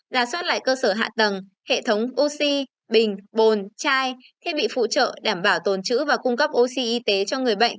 giả soát lại cơ sở hạ tầng hệ thống oxy bình bồn chai thiết bị phụ trợ đảm bảo tồn chữ và cung cấp oxy y tế cho người bệnh